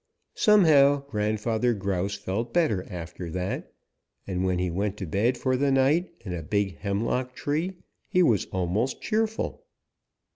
Somehow Grandfather Grouse felt better after that, and when he went to bed for the night in a big hemlock tree he was almost cheerful.